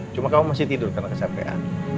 cuma kamu masih tidur karena kesapean